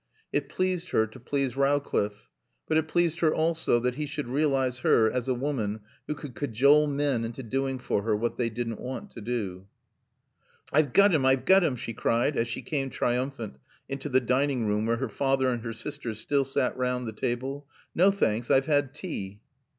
It pleased her to please Rowcliffe, but it pleased her also that he should realise her as a woman who could cajole men into doing for her what they didn't want to do. "I've got him! I've got him!" she cried as she came, triumphant, into the dining room where her father and her sisters still sat round the table. "No, thanks. I've had tea."